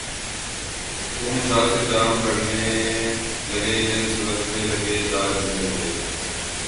خون عشاق سے جام بھرنے لگے دل سلگنے لگے داغ جلنے لگے